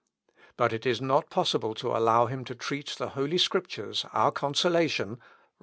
But it is not possible to allow him to treat the Holy Scriptures, our consolation, (Rom.